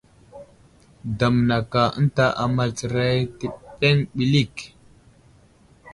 Damnaka ənta amal tsəray təbeŋ ɓəlik.